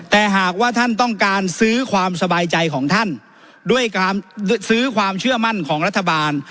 แต่หากว่าท่านต้องการซื้อความสบายใจของท่านด้วยการซื้อความเชื่อมั่นของรัฐบาล